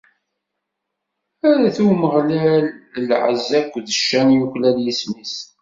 Rret i Umeɣlal lɛezz akked ccan yuklal yisem-is!